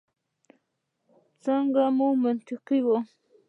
چلند مو منطقي وي.